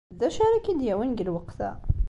D acu ara k-id-yawin deg lweqt-a?